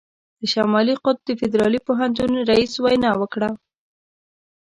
د شمالي قطب د فدرالي پوهنتون رييس وینا وکړه.